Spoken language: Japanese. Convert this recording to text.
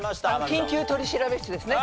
『緊急取調室』ですね。